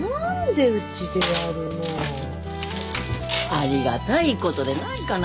ありがたいことでないかな。